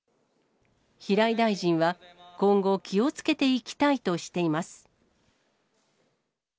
平井大臣は、今後、気をつけていきたいとしています。